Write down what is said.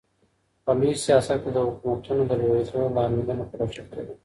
په لوی سياست کې د حکومتونو د لوېدو لاملونه پلټل کېدل.